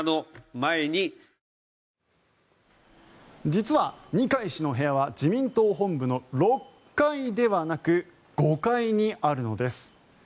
実は二階氏の部屋は自民党本部の６階ではなく５階にあるのです。